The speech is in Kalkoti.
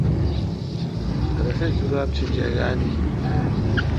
رسے جراب چینجاگال این۔